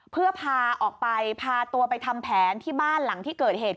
เพื่อพาออกไปพาตัวไปทำแผนที่บ้านหลังที่เกิดเหตุ